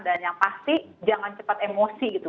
dan yang pasti jangan cepat emosi gitu